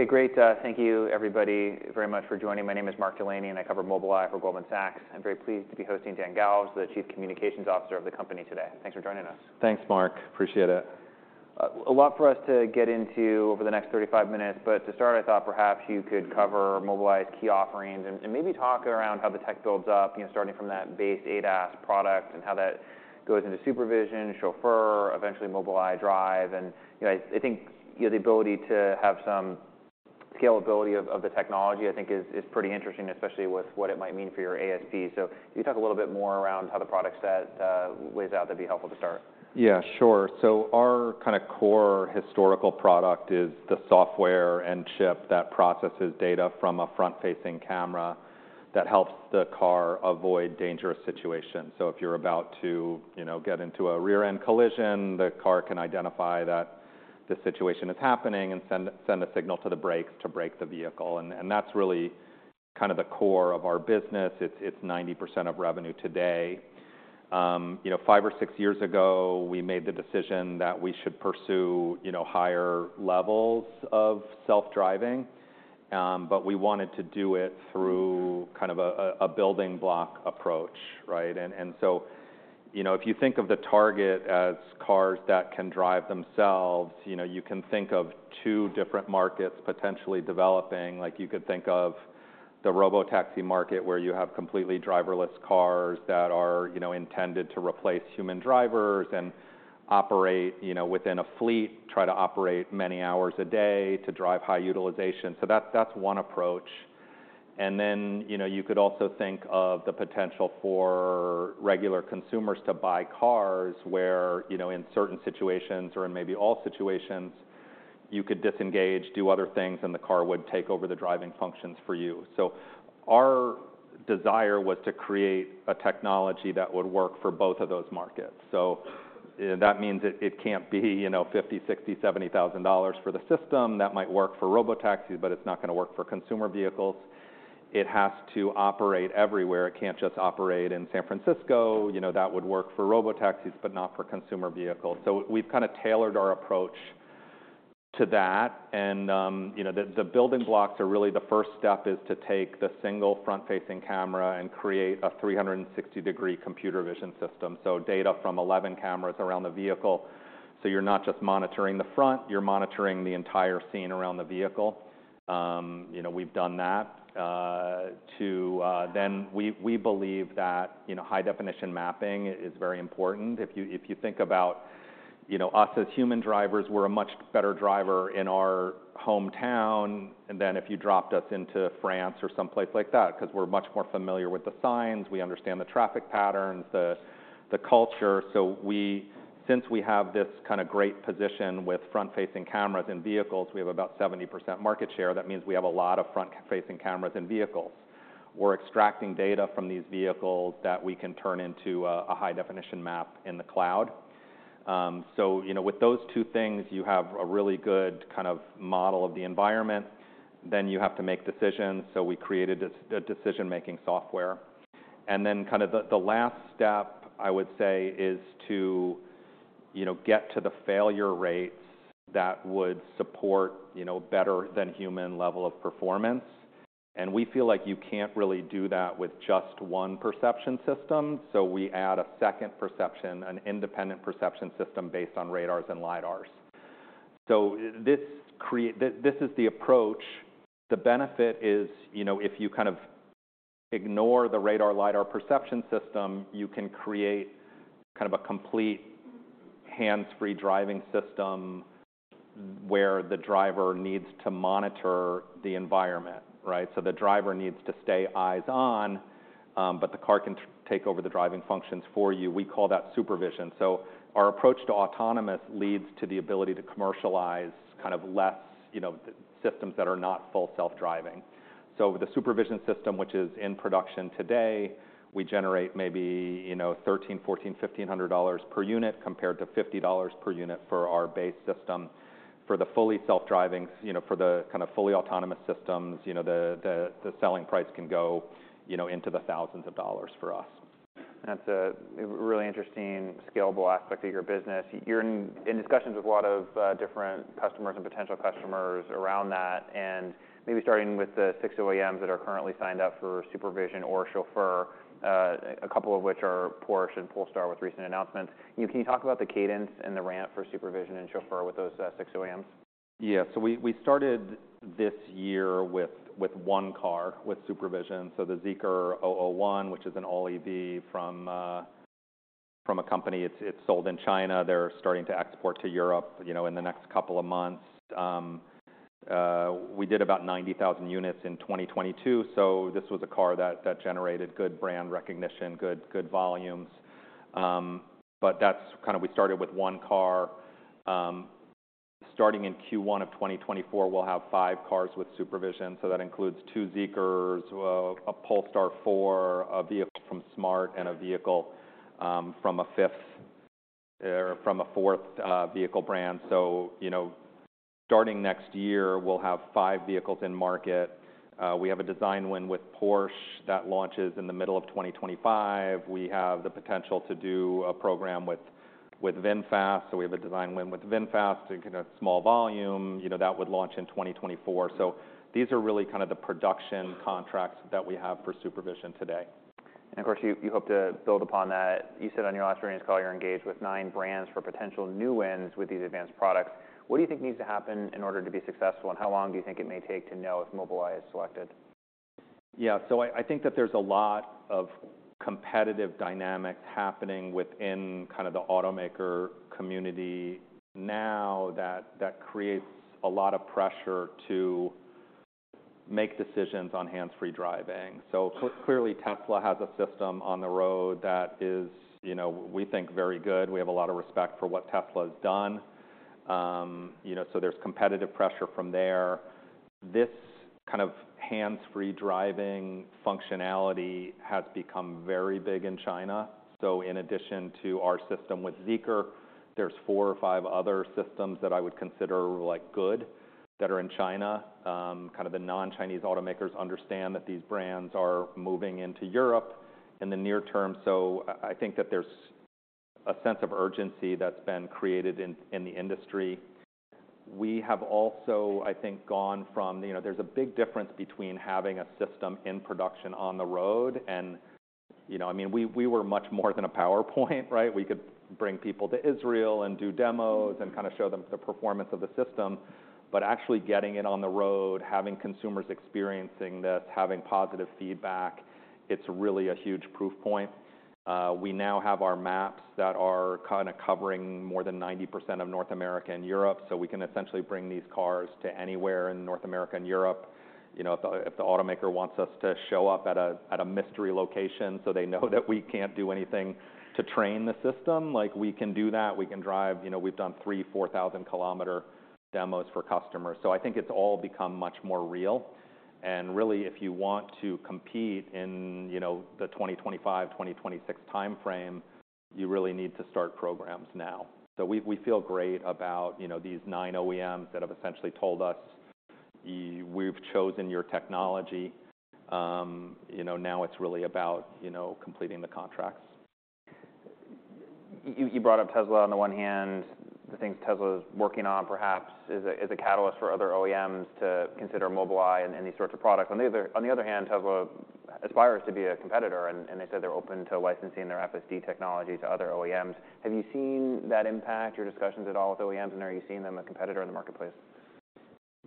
Okay, great. Thank you everybody very much for joining. My name is Mark Delaney, and I cover Mobileye for Goldman Sachs. I'm very pleased to be hosting Dan Galves, the Chief Communications Officer of the company, today. Thanks for joining us. Thanks, Mark. Appreciate it. A lot for us to get into over the next 35 minutes, but to start, I thought perhaps you could cover Mobileye's key offerings and, and maybe talk around how the tech builds up, you know, starting from that base ADAS product and how that goes into SuperVision, Chauffeur, eventually Mobileye Drive. And, you know, I think, you know, the ability to have some scalability of, of the technology, I think is, is pretty interesting, especially with what it might mean for your ASP. So can you talk a little bit more around how the product set weighs out? That'd be helpful to start. Yeah, sure. So our kinda core historical product is the software and chip that processes data from a front-facing camera that helps the car avoid dangerous situations. So if you're about to, you know, get into a rear-end collision, the car can identify that the situation is happening and send a signal to the brakes to brake the vehicle. And that's really kind of the core of our business. It's 90% of revenue today. You know, five or six years ago, we made the decision that we should pursue, you know, higher levels of self-driving, but we wanted to do it through kind of a building block approach, right? And so, you know, if you think of the target as cars that can drive themselves, you know, you can think of two different markets potentially developing. Like, you could think of the robotaxi market, where you have completely driverless cars that are, you know, intended to replace human drivers and operate, you know, within a fleet, try to operate many hours a day to drive high utilization. So that's, that's one approach. And then, you know, you could also think of the potential for regular consumers to buy cars where, you know, in certain situations, or in maybe all situations, you could disengage, do other things, and the car would take over the driving functions for you. So our desire was to create a technology that would work for both of those markets. So, that means it, it can't be, you know, $50,000, $60,000, $70,000 for the system. That might work for robotaxis, but it's not gonna work for consumer vehicles. It has to operate everywhere. It can't just operate in San Francisco. You know, that would work for robotaxis, but not for consumer vehicles. So we've kinda tailored our approach to that. And, you know, the building blocks are really the first step, is to take the single front-facing camera and create a 360-degree computer vision system, so data from 11 cameras around the vehicle. So you're not just monitoring the front, you're monitoring the entire scene around the vehicle. You know, we've done that. Then we believe that, you know, high-definition mapping is very important. If you think about, you know, us as human drivers, we're a much better driver in our hometown than if you dropped us into France or someplace like that, 'cause we're much more familiar with the signs, we understand the traffic patterns, the culture. Since we have this kinda great position with front-facing cameras in vehicles, we have about 70% market share. That means we have a lot of front-facing cameras in vehicles. We're extracting data from these vehicles that we can turn into a high-definition map in the cloud. So, you know, with those two things, you have a really good kind of model of the environment. Then you have to make decisions, so we created a decision-making software. And then kind of the last step, I would say, is to, you know, get to the failure rates that would support, you know, better than human-level of performance. And we feel like you can't really do that with just one perception system, so we add a second perception, an independent perception system based on radars and lidars. So this, this is the approach. The benefit is, you know, if you kind of ignore the radar, lidar perception system, you can create kind of a complete hands-free driving system where the driver needs to monitor the environment, right? So the driver needs to stay eyes-on, but the car can take over the driving functions for you. We call that SuperVision. So our approach to autonomous leads to the ability to commercialize kind of less, you know, systems that are not full self-driving. So the SuperVision system, which is in production today, we generate maybe, you know, $1,300-$1,500 per unit, compared to $50 per unit for our base system. For the fully self-driving, you know, for the kind of fully autonomous systems, you know, the selling price can go, you know, into the thousands of dollars for us. That's a really interesting scalable aspect of your business. You're in discussions with a lot of different customers and potential customers around that. And maybe starting with the six OEMs that are currently signed up for SuperVision or Chauffeur, a couple of which are Porsche and Polestar, with recent announcements. Can you talk about the cadence and the ramp for SuperVision and Chauffeur with those six OEMs? Yeah. So we started this year with one car with SuperVision, so the Zeekr 001, which is an all EV from a company. It's sold in China. They're starting to export to Europe, you know, in the next couple of months. We did about 90,000 units in 2022, so this was a car that generated good brand recognition, good volumes. But that's kind of... We started with one car. Starting in Q1 of 2024, we'll have five cars with SuperVision so that includes two Zeekrs, a Polestar 4, a vehicle from smart, and a vehicle from a fifth, from a fourth, vehicle brand. So, you know, starting next year, we'll have five vehicles in market. We have a design win with Porsche that launches in the middle of 2025. We have the potential to do a program with VinFast, so we have a design win with VinFast to get a small volume, you know, that would launch in 2024. So these are really kind of the production contracts that we have for SuperVision today. And of course, you, you hope to build upon that. You said on your last earnings call, you're engaged with nine brands for potential new wins with these advanced products. What do you think needs to happen in order to be successful, and how long do you think it may take to know if Mobileye is selected? Yeah. So I think that there's a lot of competitive dynamics happening within kind of the automaker community now, that creates a lot of pressure to make decisions on hands-free driving. So clearly, Tesla has a system on the road that is, you know, we think, very good. We have a lot of respect for what Tesla has done. You know, so there's competitive pressure from there. This kind of hands-free driving functionality has become very big in China. So in addition to our system with Zeekr, there's four or five other systems that I would consider, like, good that are in China. Kind of the non-Chinese automakers understand that these brands are moving into Europe in the near term. So I think that there's a sense of urgency that's been created in the industry. We have also, I think, gone from... You know, there's a big difference between having a system in production on the road and, you know, I mean, we, we were much more than a PowerPoint, right? We could bring people to Israel and do demos and kind of show them the performance of the system, but actually getting it on the road, having consumers experiencing this, having positive feedback, it's really a huge proof point. We now have our maps that are kind of covering more than 90% of North America and Europe, so we can essentially bring these cars to anywhere in North America and Europe. You know, if the, if the automaker wants us to show up at a, at a mystery location so they know that we can't do anything to train the system, like, we can do that. We can drive... You know, we've done three-four thousand kilometer demos for customers. So I think it's all become much more real, and really, if you want to compete in, you know, the 2025, 2026 time frame, you really need to start programs now. So we, we feel great about, you know, these nine OEMs that have essentially told us, "We've chosen your technology." You know, now it's really about, you know, completing the contracts. You brought up Tesla on the one hand. The things Tesla is working on perhaps is a catalyst for other OEMs to consider Mobileye and these sorts of products. On the other hand, Tesla aspires to be a competitor, and they said they're open to licensing their FSD technology to other OEMs. Have you seen that impact your discussions at all with OEMs, and are you seeing them a competitor in the marketplace?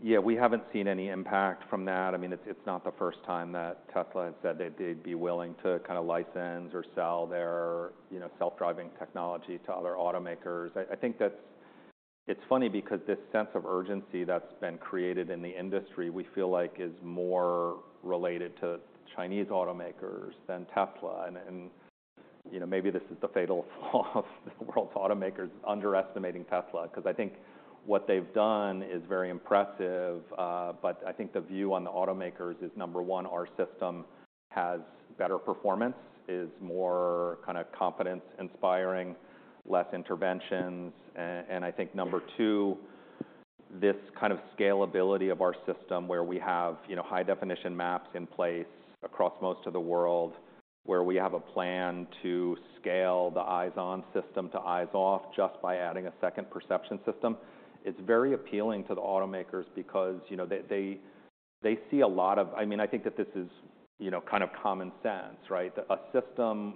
Yeah, we haven't seen any impact from that. I mean, it's not the first time that Tesla has said that they'd be willing to kind of license or sell their, you know, self-driving technology to other automakers. I think that's, it's funny because this sense of urgency that's been created in the industry, we feel like is more related to Chinese automakers than Tesla. And, you know, maybe this is the fatal fault of the world's automakers underestimating Tesla, 'cause I think what they've done is very impressive. But I think the view on the automakers is, number one, our system has better performance, is more kind of confidence inspiring, less interventions. I think number two, this kind of scalability of our system, where we have, you know, high-definition maps in place across most of the world, where we have a plan to scale the eyes on system to eyes off just by adding a second perception system. It's very appealing to the automakers because, you know, they see a lot of... I mean, I think that this is, you know, kind of common sense, right? That a system,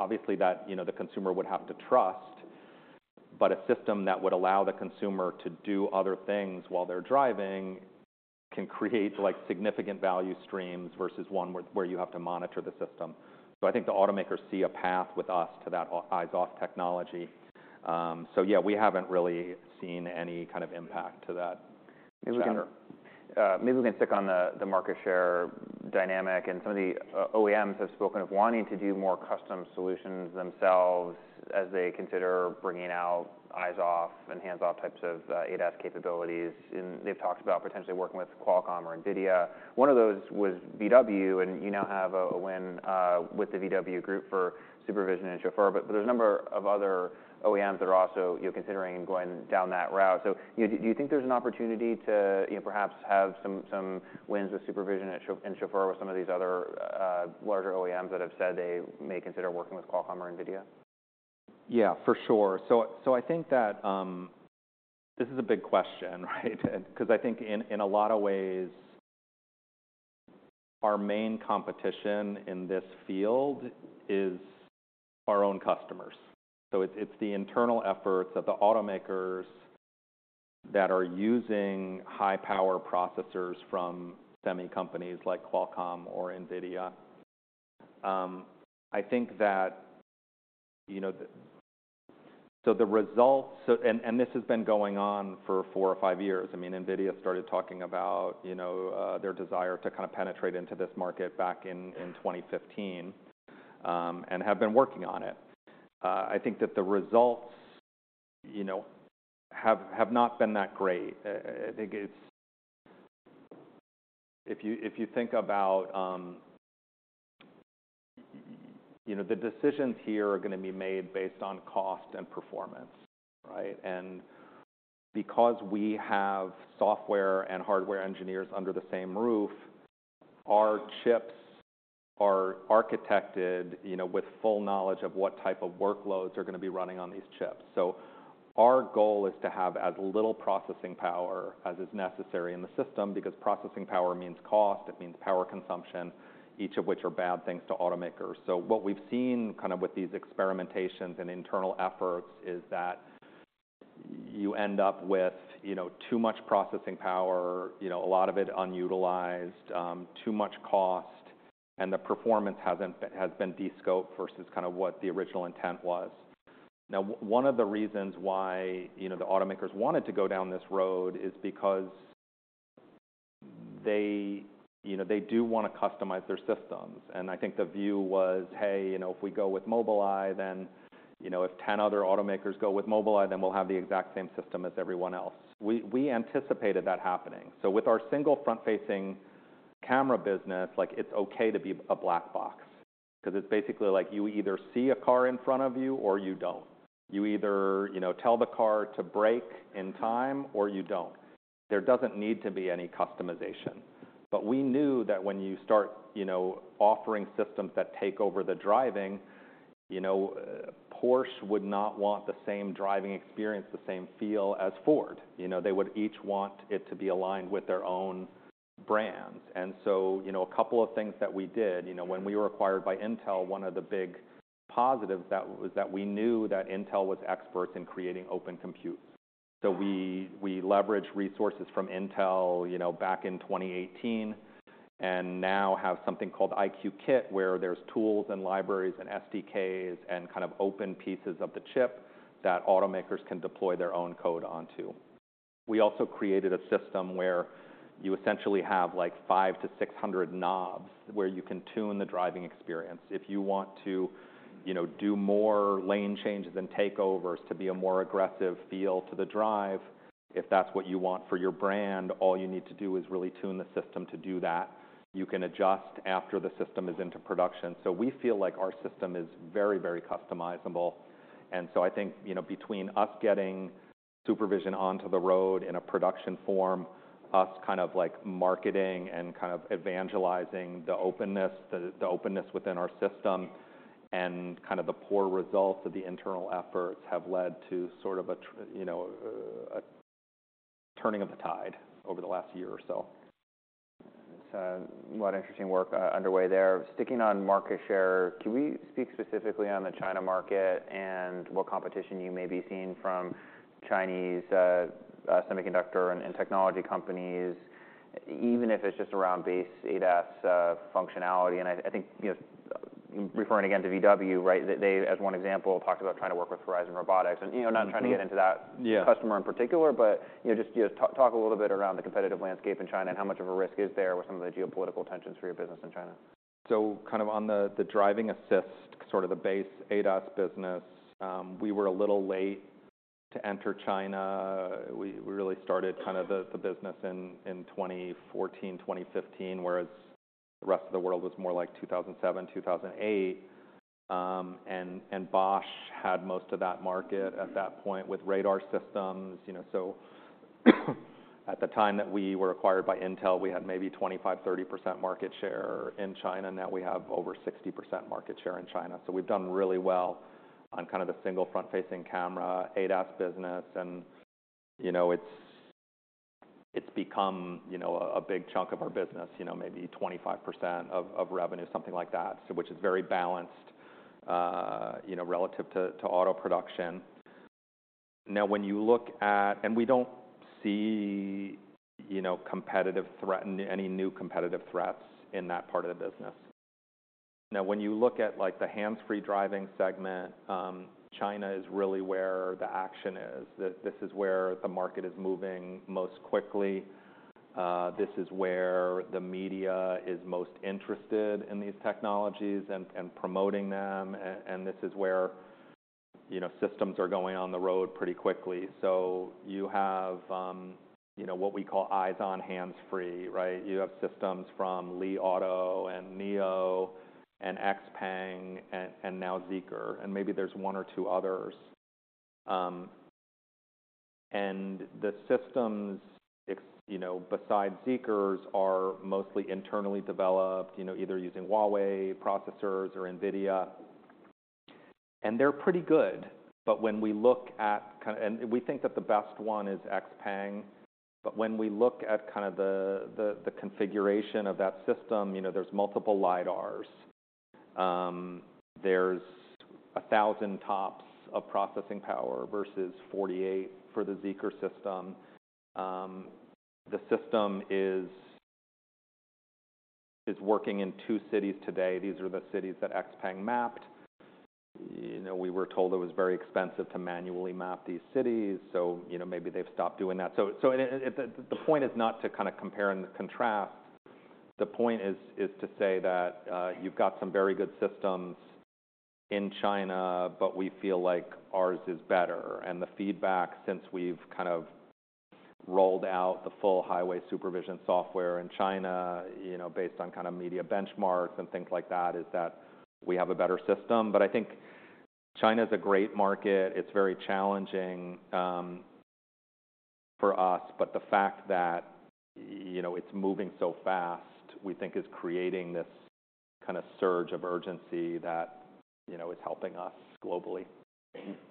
obviously, that, you know, the consumer would have to trust, but a system that would allow the consumer to do other things while they're driving can create, like, significant value streams versus one where you have to monitor the system. So I think the automakers see a path with us to that eyes-off technology. So yeah, we haven't really seen any kind of impact to that matter. Maybe we can stick on the market share dynamic, and some of the OEMs have spoken of wanting to do more custom solutions themselves as they consider bringing out eyes off and hands-off types of ADAS capabilities. And they've talked about potentially working with Qualcomm or NVIDIA. One of those was VW, and you now have a win with the VW group for SuperVision and Chauffeur. But there's a number of other OEMs that are also, you know, considering going down that route. So do you think there's an opportunity to, you know, perhaps have some wins with SuperVision and Chauffeur, and Chauffeur with some of these other larger OEMs that have said they may consider working with Qualcomm or NVIDIA? Yeah, for sure. So I think that... This is a big question, right? 'Cause I think in a lot of ways, our main competition in this field is our own customers. So it's the internal efforts that the automakers that are using high-power processors from semi companies like Qualcomm or NVIDIA. I think that, you know, the results. So, and this has been going on for four or five years. I mean, NVIDIA started talking about, you know, their desire to kind of penetrate into this market back in 2015, and have been working on it. I think that the results, you know, have not been that great. I think it's... If you think about, you know, the decisions here are gonna be made based on cost and performance, right? Because we have software and hardware engineers under the same roof, our chips are architected, you know, with full knowledge of what type of workloads are gonna be running on these chips. So our goal is to have as little processing power as is necessary in the system, because processing power means cost, it means power consumption, each of which are bad things to automakers. So what we've seen kind of with these experimentations and internal efforts is that you end up with, you know, too much processing power, you know, a lot of it unutilized, too much cost, and the performance has been de-scoped versus kind of what the original intent was. Now, one of the reasons why, you know, the automakers wanted to go down this road is because they, you know, they do wanna customize their systems. And I think the view was, "Hey, you know, if we go with Mobileye, then, you know, if 10 other automakers go with Mobileye, then we'll have the exact same system as everyone else." We, we anticipated that happening. So with our single front-facing camera business, like, it's okay to be a black box, 'cause it's basically like you either see a car in front of you or you don't. You either, you know, tell the car to brake in time or you don't. There doesn't need to be any customization. But we knew that when you start, you know, offering systems that take over the driving, you know, Porsche would not want the same driving experience, the same feel as Ford. You know, they would each want it to be aligned with their own brands. You know, a couple of things that we did, you know, when we were acquired by Intel, one of the big positives was that we knew that Intel was experts in creating open compute. So we leveraged resources from Intel, you know, back in 2018, and now have something called EyeQ Kit, where there's tools and libraries and SDKs and kind of open pieces of the chip that automakers can deploy their own code onto. We also created a system where you essentially have, like, 500-600 knobs, where you can tune the driving experience. If you want to, you know, do more lane changes and takeovers to be a more aggressive feel to the drive, if that's what you want for your brand, all you need to do is really tune the system to do that. You can adjust after the system is into production. So we feel like our system is very, very customizable. And so I think, you know, between us getting SuperVision onto the road in a production form, us kind of like marketing and kind of evangelizing the openness, the openness within our system, and kind of the poor results of the internal efforts have led to sort of a turning of the tide over the last year or so. So a lot of interesting work, underway there. Sticking on market share, can we speak specifically on the China market and what competition you may be seeing from Chinese, semiconductor and, and technology companies, even if it's just around base ADAS, functionality? And I, I think, you know, referring again to VW, right, they, as one example, talked about trying to work with Horizon Robotics. And, you know, not trying to get into that- Yeah... customer in particular, but, you know, just, you know, talk, talk a little bit around the competitive landscape in China, and how much of a risk is there with some of the geopolitical tensions for your business in China? So kind of on the driving assist, sort of the base ADAS business, we were a little late to enter China. We really started kind of the business in 2014, 2015, whereas the rest of the world was more like 2007, 2008. Bosch had most of that market at that point with radar systems, you know. So, at the time that we were acquired by Intel, we had maybe 25%-30% market share in China; now we have over 60% market share in China. So we've done really well on kind of the single front-facing camera, ADAS business. And, you know, it's become, you know, a big chunk of our business, you know, maybe 25% of revenue, something like that, so which is very balanced, you know, relative to auto production. Now, when you look at. And we don't see, you know, competitive threat, any new competitive threats in that part of the business. Now, when you look at, like, the hands-free driving segment, China is really where the action is. This is where the market is moving most quickly, this is where the media is most interested in these technologies and promoting them, and this is where, you know, systems are going on the road pretty quickly. So you have, you know, what we call eyes-on, hands-free, right? You have systems from Li Auto and NIO and XPeng, and now Zeekr, and maybe there's one or two others. And the systems, you know, besides Zeekr, are mostly internally developed, you know, either using Huawei processors or NVIDIA, and they're pretty good. But when we look at kind of and we think that the best one is XPeng, but when we look at kind of the configuration of that system, you know, there's multiple lidars. There's 1,000 TOPS of processing power versus 48 for the Zeekr system. The system is working in two cities today. These are the cities that XPeng mapped. You know, we were told it was very expensive to manually map these cities, so, you know, maybe they've stopped doing that. So, and it... The point is not to kinda compare and contrast. The point is to say that you've got some very good systems in China, but we feel like ours is better. The feedback since we've kind of rolled out the full highway SuperVision software in China, you know, based on kind of media benchmarks and things like that, is that we have a better system. But I think China is a great market. It's very challenging for us, but the fact that, you know, it's moving so fast, we think is creating this kind of surge of urgency that, you know, is helping us globally.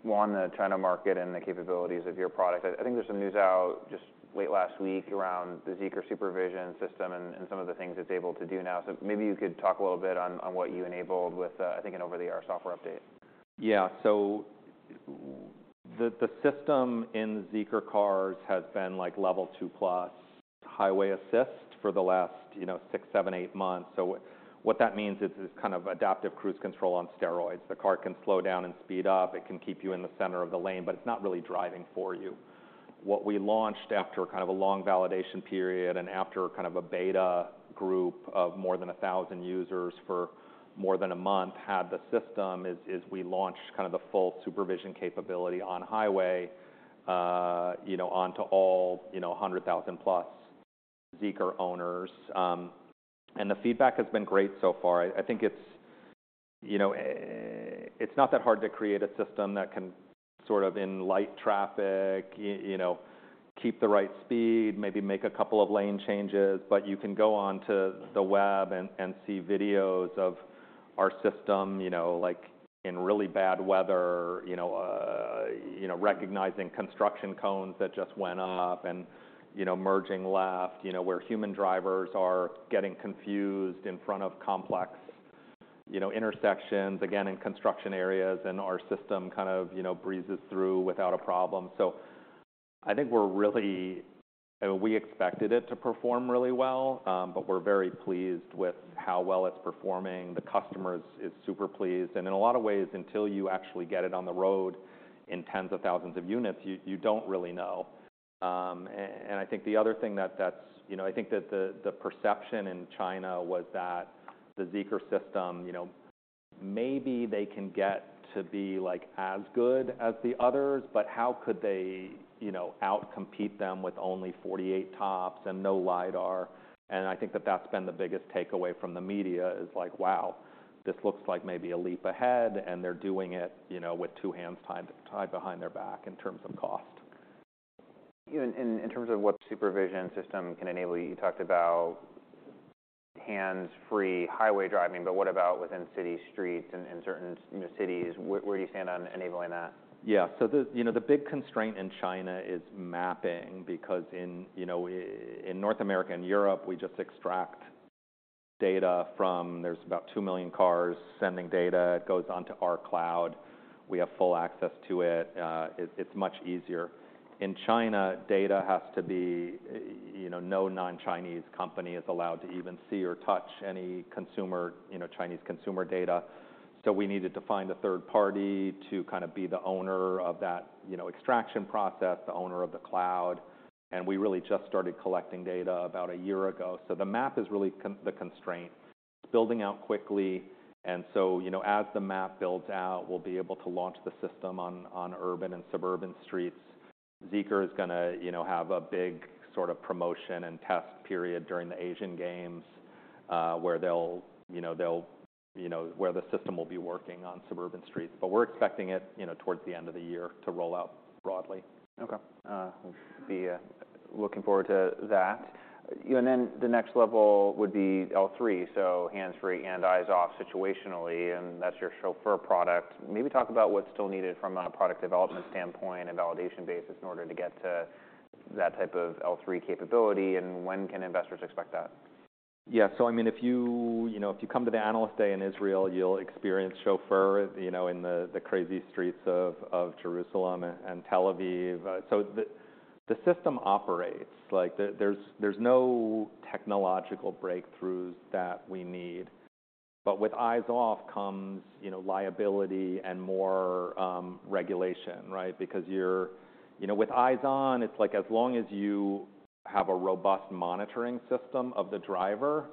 More on the China market and the capabilities of your product. I think there's some news out just late last week around the Zeekr SuperVision system and some of the things it's able to do now. So maybe you could talk a little bit on what you enabled with an over-the-air software update. Yeah. So the system in Zeekr cars has been, like, Level 2+ highway assist for the last, you know, six, seven, eight months. So what that means is, it's kind of adaptive cruise control on steroids. The car can slow down and speed up. It can keep you in the center of the lane, but it's not really driving for you. What we launched after kind of a long validation period and after kind of a beta group of more than 1,000 users for more than a month had the system is we launched kind of the full SuperVision capability on highway, you know, onto all, you know, 100,000+ Zeekr owners. And the feedback has been great so far. I think it's, you know, it's not that hard to create a system that can sort of in light traffic, you know, keep the right speed, maybe make a couple of lane changes, but you can go onto the web and see videos of our system, you know, like, in really bad weather, you know, recognizing construction cones that just went up and, you know, merging left, you know, where human drivers are getting confused in front of complex, you know, intersections, again, in construction areas, and our system kind of, you know, breezes through without a problem. So I think we're really - we expected it to perform really well, but we're very pleased with how well it's performing. The customers is super pleased, and in a lot of ways, until you actually get it on the road in tens of thousands of units, you don't really know. I think the other thing that's... You know, I think that the perception in China was that the Zeekr system, you know, maybe they can get to be, like, as good as the others, but how could they, you know, out-compete them with only 48 TOPS and no Lidar? And I think that's been the biggest takeaway from the media is like: Wow, this looks like maybe a leap ahead, and they're doing it, you know, with two hands tied behind their back in terms of cost. In terms of what the SuperVision system can enable, you talked about hands-free highway driving, but what about within city streets and in certain, you know, cities? Where do you stand on enabling that? Yeah. So the, you know, the big constraint in China is mapping, because in, you know, in North America and Europe, we just extract data from... There's about 2 million cars sending data. It goes onto our cloud. We have full access to it. It, it's much easier. In China, data has to be, you know, no non-Chinese company is allowed to even see or touch any consumer, you know, Chinese consumer data. So we needed to find a third party to kind of be the owner of that, you know, extraction process, the owner of the cloud, and we really just started collecting data about a year ago. So the map is really the constraint. It's building out quickly, and so, you know, as the map builds out, we'll be able to launch the system on urban and suburban streets. Zeekr is gonna, you know, have a big sort of promotion and test period during the Asian Games, where they'll, you know, where the system will be working on suburban streets. But we're expecting it, you know, towards the end of the year to roll out broadly. Okay. We'll be looking forward to that. You know, and then the next level would be L3, so hands-free and eyes-off situationally, and that's your Chauffeur product. Maybe talk about what's still needed from a product development standpoint and validation basis in order to get to that type of L3 capability, and when can investors expect that? Yeah. So I mean, if you, you know, if you come to the Analyst Day in Israel, you'll experience Chauffeur, you know, in the crazy streets of Jerusalem and Tel Aviv. So the system operates. Like, there's no technological breakthroughs that we need. But with eyes off comes, you know, liability and more regulation, right? Because you're... You know, with eyes on, it's like as long as you have a robust monitoring system of the driver,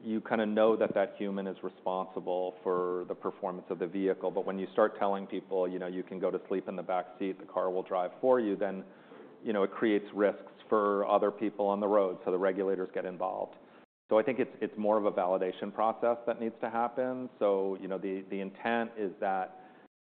you kinda know that that human is responsible for the performance of the vehicle. But when you start telling people, you know, "You can go to sleep in the back seat, the car will drive for you," then, you know, it creates risks for other people on the road, so the regulators get involved. So I think it's more of a validation process that needs to happen. So, you know, the intent is that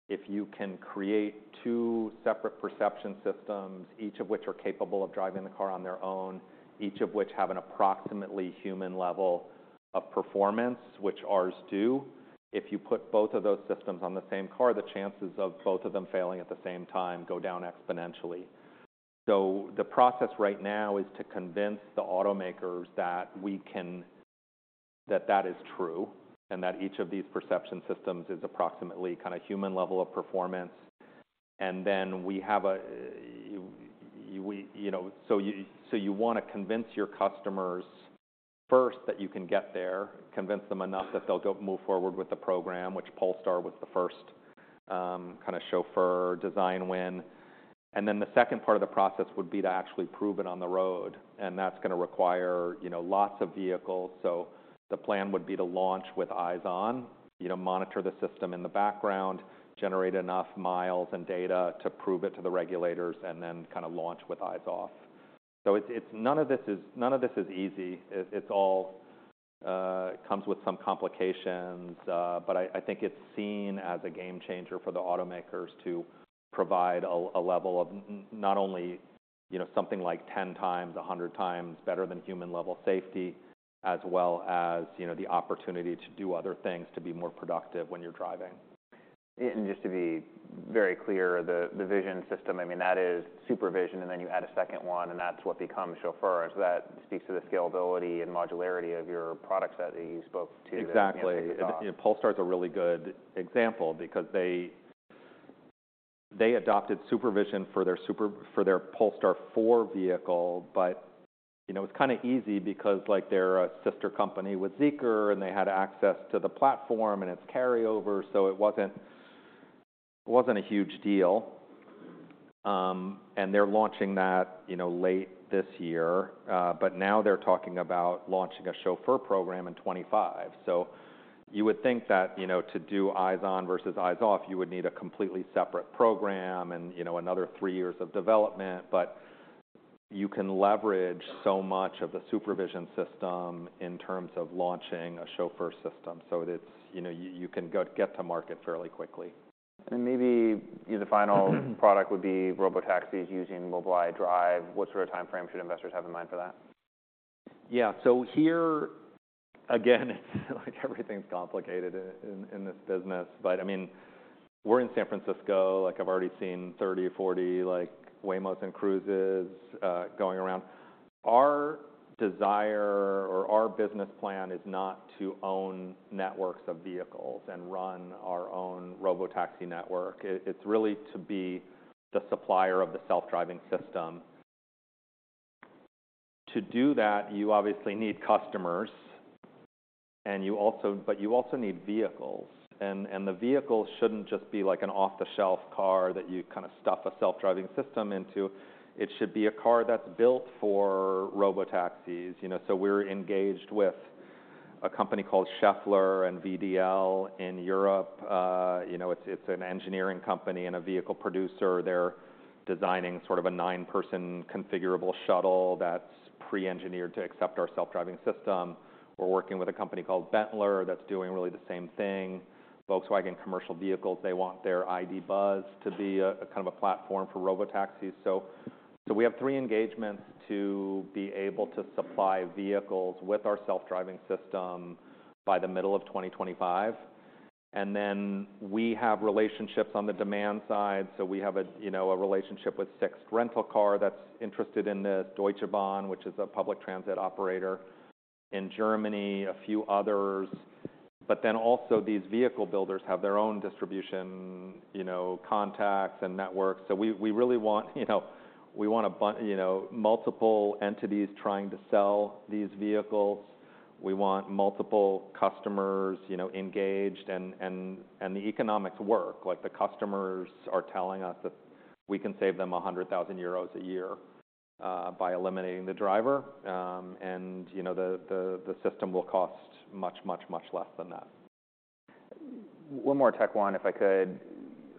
if you can create two separate perception systems, each of which are capable of driving the car on their own, each of which have an approximately human level of performance, which ours do, if you put both of those systems on the same car, the chances of both of them failing at the same time go down exponentially. So the process right now is to convince the automakers that we can, that that is true, and that each of these perception systems is approximately kind of human level of performance. And then we have a you know— So you wanna convince your customers first that you can get there, convince them enough that they'll go move forward with the program, which Polestar was the first kind of Chauffeur design win. And then the second part of the process would be to actually prove it on the road, and that's gonna require you know lots of vehicles. So the plan would be to launch with eyes on you know monitor the system in the background, generate enough miles and data to prove it to the regulators, and then kind of launch with eyes off. So it's none of this is easy. It all comes with some complications, but I think it's seen as a game changer for the automakers to provide a level of not only, you know, something like 10 times, 100 times better than human level safety, as well as, you know, the opportunity to do other things, to be more productive when you're driving. Just to be very clear, the vision system, I mean, that is SuperVision, and then you add a second one, and that's what becomes Chauffeur. So that speaks to the scalability and modularity of your product set that you spoke to- Exactly. In the talk. Yeah, Polestar is a really good example because they adopted SuperVision for their Polestar 4 vehicle, but, you know, it's kinda easy because, like, they're a sister company with Zeekr, and they had access to the platform, and it's carry over, so it wasn't a huge deal. And they're launching that, you know, late this year, but now they're talking about launching a Chauffeur program in 2025. So you would think that, you know, to do eyes on versus eyes off, you would need a completely separate program and, you know, another three years of development. But you can leverage so much of the SuperVision system in terms of launching a Chauffeur system. So it's, you know, you can get to market fairly quickly. Maybe the final product would be robotaxis using Mobileye Drive. What sort of timeframe should investors have in mind for that? Yeah. So here, again, it's, like, everything's complicated in this business. But, I mean, we're in San Francisco, like, I've already seen 30, 40, like, Waymo and Cruise going around. Our desire or our business plan is not to own networks of vehicles and run our own robotaxi network. It, it's really to be the supplier of the self-driving system. To do that, you obviously need customers, and you also need vehicles. And the vehicles shouldn't just be like an off-the-shelf car that you kinda stuff a self-driving system into. It should be a car that's built for robotaxis. You know, so we're engaged with a company called Schaeffler and VDL in Europe. You know, it's an engineering company and a vehicle producer. They're designing sort of a 9-person configurable shuttle that's pre-engineered to accept our self-driving system. We're working with a company called BENTELER that's doing really the same thing. Volkswagen Commercial Vehicles, they want their ID. Buzz to be a kind of a platform for robotaxis. So we have three engagements to be able to supply vehicles with our self-driving system by the middle of 2025. And then we have relationships on the demand side. So we have a, you know, a relationship with Sixt Rental Car that's interested in this, Deutsche Bahn, which is a public transit operator in Germany, a few others. But then also, these vehicle builders have their own distribution, you know, contacts and networks. So we really want, you know, we want multiple entities trying to sell these vehicles. We want multiple customers, you know, engaged, and the economics work. Like, the customers are telling us that we can save them 100,000 euros a year by eliminating the driver, and, you know, the system will cost much, much, much less than that. One more tech one, if I could.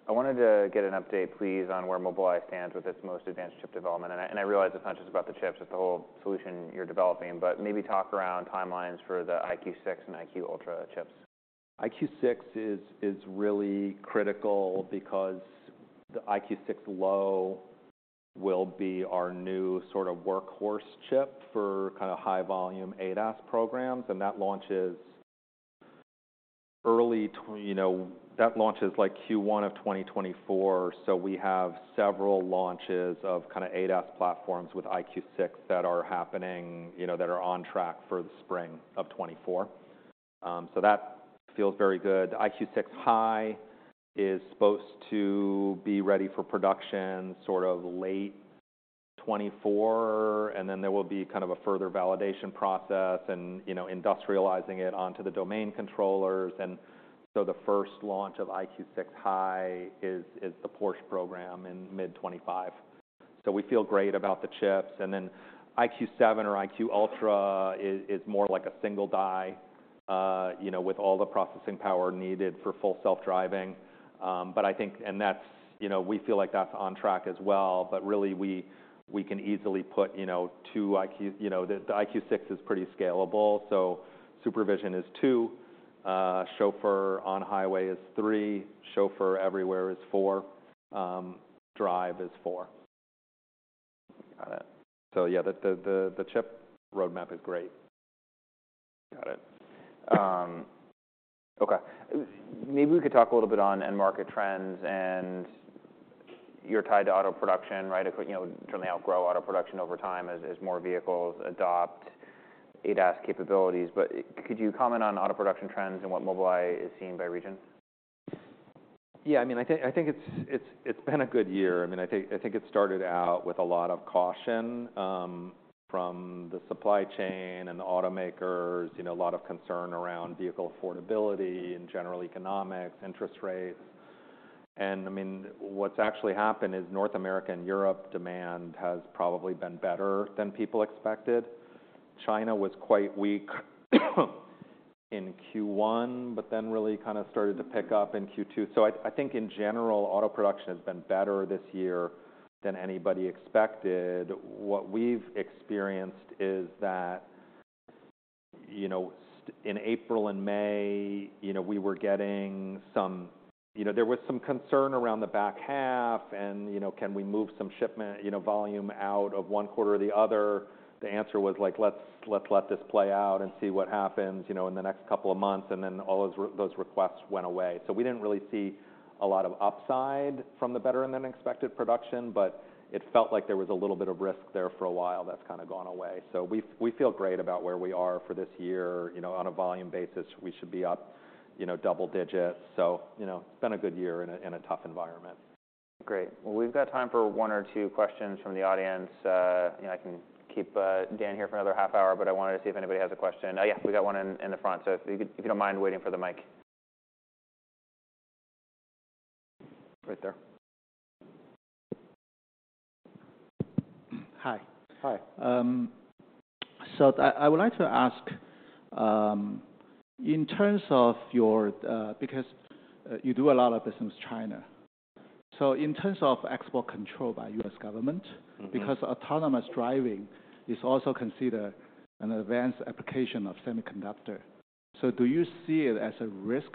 I wanted to get an update, please, on where Mobileye stands with its most advanced chip development. And I realize it's not just about the chips, it's the whole solution you're developing, but maybe talk around timelines for the EyeQ6 and EyeQ Ultra chips. EyeQ6 is really critical because the EyeQ6 Low will be our new sort of workhorse chip for kinda high-volume ADAS programs, and that launch is, like, Q1 of 2024. So we have several launches of kinda ADAS platforms with EyeQ6 that are happening, you know, that are on track for the spring of 2024. So that feels very good. EyeQ6 High is supposed to be ready for production sort of late 2024, and then there will be kind of a further validation process and, you know, industrializing it onto the domain controllers. And so the first launch of EyeQ6 High is the Porsche program in mid 2025. So we feel great about the chips. And then EyeQ7 or EyeQ Ultra is more like a single die, you know, with all the processing power needed for full self-driving. but I think... And that's, you know, we feel like that's on track as well, but really, we, we can easily put, you know, two EyeQ... You know, the, the EyeQ6 is pretty scalable, so SuperVision is two, Chauffeur on highway is three, Chauffeur everywhere is four, drive is four. Got it. So yeah, the chip roadmap is great. Got it. Um- Okay. Maybe we could talk a little bit on end market trends, and you're tied to auto production, right? It could, you know, certainly outgrow auto production over time as more vehicles adopt ADAS capabilities. But could you comment on auto production trends and what Mobileye is seeing by region? Yeah, I mean, I think it's been a good year. I mean, I think it started out with a lot of caution from the supply chain and the automakers. You know, a lot of concern around vehicle affordability and general economics, interest rates. And I mean, what's actually happened is North America and Europe demand has probably been better than people expected. China was quite weak in Q1, but then really kind of started to pick up in Q2. So I think in general, auto production has been better this year than anybody expected. What we've experienced is that, you know, in April and May, you know, we were getting some, you know, there was some concern around the back half and, you know, can we move some shipment volume out of one quarter or the other? The answer was, like, "Let's let this play out and see what happens, you know, in the next couple of months," and then all those requests went away. So we didn't really see a lot of upside from the better-than-expected production, but it felt like there was a little bit of risk there for a while that's kind of gone away. So we feel great about where we are for this year. You know, on a volume basis, we should be up, you know, double digits. So, you know, it's been a good year in a tough environment. Great. Well, we've got time for one or two questions from the audience. You know, I can keep Dan here for another half hour, but I wanted to see if anybody has a question. Yeah, we got one in the front, so if you don't mind waiting for the mic. Right there. Hi. Hi. I would like to ask, in terms of your... because you do a lot of business with China, so in terms of export control by U.S. government- Mm-hmm... because autonomous driving is also considered an advanced application of semiconductor, so do you see it as a risk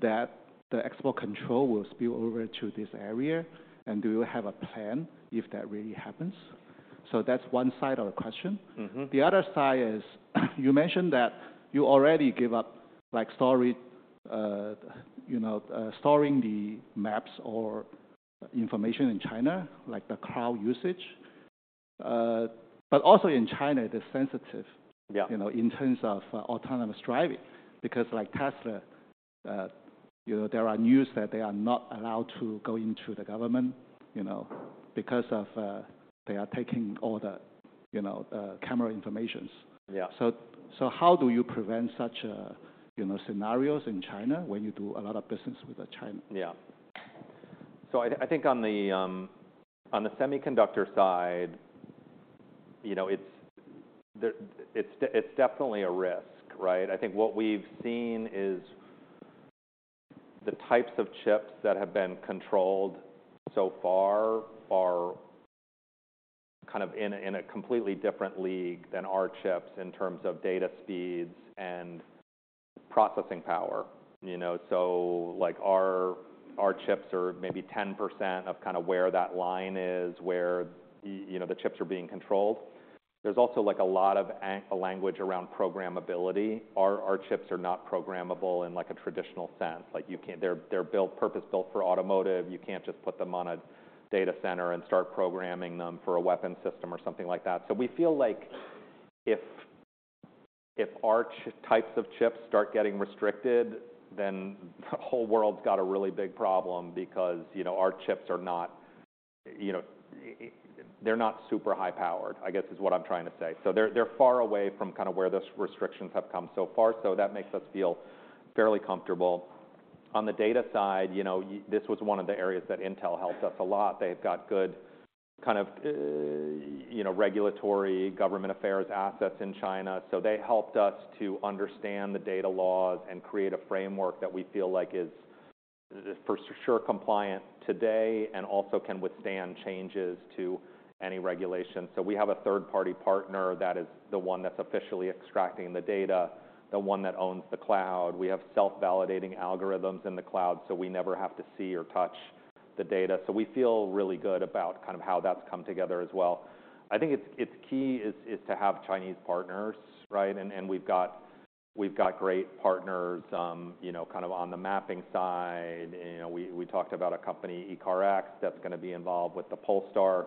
that the export control will spill over to this area? And do you have a plan if that really happens? That's one side of the question. Mm-hmm. The other side is, you mentioned that you already gave up, like, storage, you know, storing the maps or information in China, like the cloud usage. But also in China, it is sensitive- Yeah... you know, in terms of autonomous driving, because, like, Tesla, you know, there are news that they are not allowed to go into the government, you know, because of, they are taking all the, you know, camera information. Yeah. So, how do you prevent such, you know, scenarios in China when you do a lot of business with China? Yeah. So I think on the semiconductor side, you know, it's the, it's definitely a risk, right? I think what we've seen is the types of chips that have been controlled so far are kind of in a completely different league than our chips in terms of data speeds and processing power, you know? So, like, our chips are maybe 10% of kind of where that line is, where you know, the chips are being controlled. There's also, like, a lot of a language around programmability. Our chips are not programmable in, like, a traditional sense. Like, you can't... They're built, purpose-built for automotive. You can't just put them on a data center and start programming them for a weapons system or something like that. So we feel like if our chip types of chips start getting restricted, then the whole world's got a really big problem because, you know, our chips are not, you know... They're not super high powered, I guess is what I'm trying to say. So they're far away from kind of where those restrictions have come so far, so that makes us feel fairly comfortable. On the data side, you know, this was one of the areas that Intel helped us a lot. They've got good kind of, you know, regulatory government affairs assets in China, so they helped us to understand the data laws and create a framework that we feel like is for sure compliant today and also can withstand changes to any regulations. So we have a third-party partner that is the one that's officially extracting the data, the one that owns the cloud. We have self-validating algorithms in the cloud, so we never have to see or touch the data. So we feel really good about kind of how that's come together as well. I think it's key to have Chinese partners, right? And we've got great partners, you know, kind of on the mapping side. You know, we talked about a company, ECARX, that's gonna be involved with the Polestar,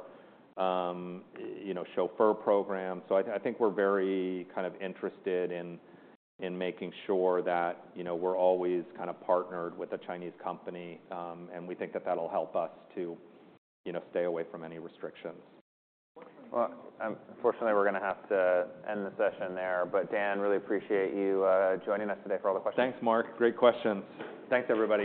you know, Chauffeur program. So I think we're very kind of interested in making sure that, you know, we're always kind of partnered with a Chinese company, and we think that that'll help us to, you know, stay away from any restrictions. Well, unfortunately, we're gonna have to end the session there. But Dan, really appreciate you joining us today for all the questions. Thanks, Mark. Great questions. Thanks, everybody.